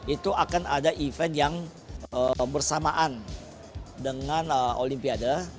itu akan ada event yang bersamaan dengan olimpiade